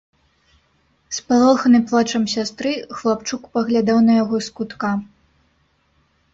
Спалоханы плачам сястры, хлапчук паглядаў на яго з кутка.